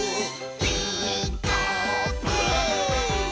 「ピーカーブ！」